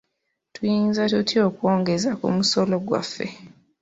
Tuyinza tutya okwongeza ku musolo gwaffe?